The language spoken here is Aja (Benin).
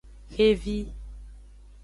Xevi.